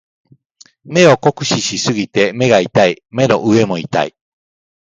目を酷使しすぎて目が痛い。目の上も痛い。